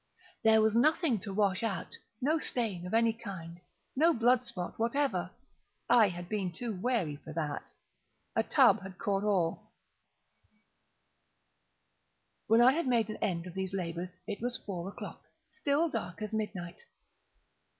There was nothing to wash out—no stain of any kind—no blood spot whatever. I had been too wary for that. A tub had caught all—ha! ha! When I had made an end of these labors, it was four o'clock—still dark as midnight.